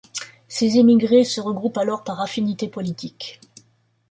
Ces émigrés se regroupent alors par affinité politique.